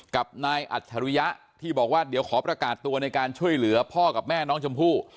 กับนายอัจฉริยะที่บอกว่าเดี๋ยวขอประกาศตัวในการช่วยเหลือพ่อกับแม่น้องชมพู่